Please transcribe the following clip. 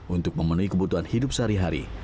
untuk memenuhi kebutuhan hidup sehari hari